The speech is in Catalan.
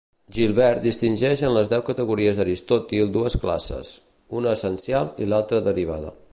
Gilbert distingeix en les deu categories d'Aristòtil dues classes: una essencial i l'altra derivada.